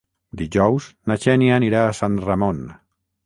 Dijous na Xènia anirà a Sant Ramon.